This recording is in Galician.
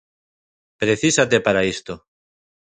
Precísate para isto.